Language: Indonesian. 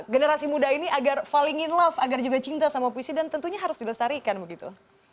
generasi muda ini agar saling in love agar juga cinta sama puisi dan tentunya harus dilestarikan begitu